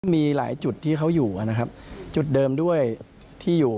มีหลายจุดที่เขาอยู่นะครับจุดเดิมด้วยที่อยู่